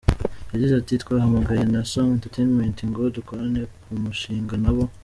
Yagize ati "Twahamagawe na Sony Entertainment ngo dukorane ku mushinga na bo.